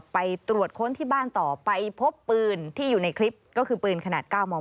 ไปตรวจค้นที่บ้านต่อไปพบปืนที่อยู่ในคลิปก็คือปืนขนาด๙มม